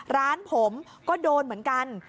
ร้านผมก็โดนเหมือนกัน